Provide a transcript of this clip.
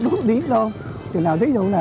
đốt điếc luôn thằng nào thí dụ là